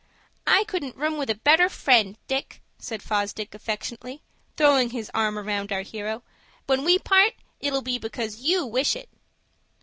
"I couldn't room with a better friend, Dick," said Fosdick, affectionately, throwing his arm round our hero. "When we part, it'll be because you wish it."